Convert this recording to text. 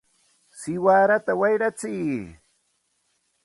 ¡siwarata wayratsiy!